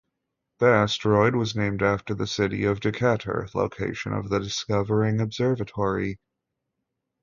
The asteroid was named after the city of Decatur, location of the discovering observatory.